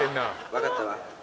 わかったわ。